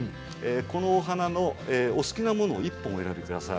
このお花のお好きなもの１本お選びください。